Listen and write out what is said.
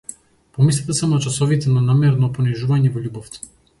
Помислете само на часовите на намерно понижување во љубовта!